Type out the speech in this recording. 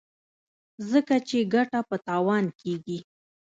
ځکه چې ګټه په تاوان کېږي.